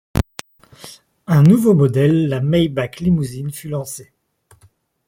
Un nouveau modèle, la Maybach Limousine, fut lancé.